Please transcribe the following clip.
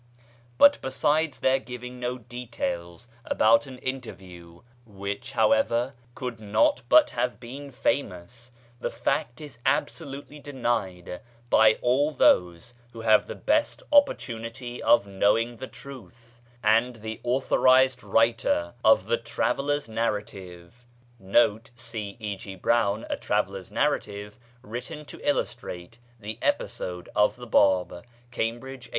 But, besides their giving no details about an interview which, however, could not but have been famous, the fact is absolutely denied by all those who have the best opportunity of knowing the truth ; and the authorised writer of the " Traveller's Narrative " l nowhere makes any allusion to this supposed meeting 1 Cp. K. G. Browne, A Travellers Narrative, written to illustrate the Episode of the Bab (Cambridge, 1891).